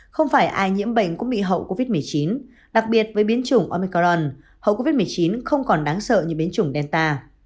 không phải ai nhiễm bệnh cũng bị hậu covid một mươi chín đặc biệt với biến chủng omicorn hậu covid một mươi chín không còn đáng sợ như biến chủng delta